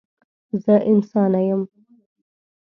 زه انسانه یم.